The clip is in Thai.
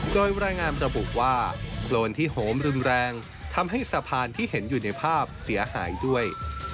โดยรายงานระบุว่าโครนที่โหมรุนแรงทำให้สะพานที่เห็นอยู่ในภาพเสียหายด้วย